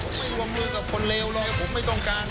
ผมไม่รวมมือกับคนเลวเลยผมไม่ต้องการ